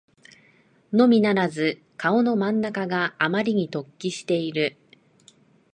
のみならず顔の真ん中があまりに突起している